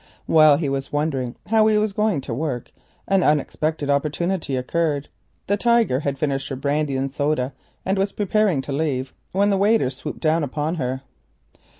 While he was wondering how he was to go to work an unexpected opportunity occurred. The lady had finished her brandy and soda, and was preparing to leave, when the waiter swooped down upon her.